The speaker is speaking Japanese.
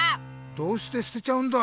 どうしてすてちゃうんだ？